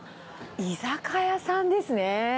居酒屋さんですね。